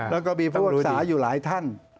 แล้วก็มีพวกศาอยู่หลายท่าน